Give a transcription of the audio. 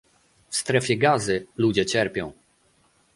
W Strefie Gazy ludzie cierpią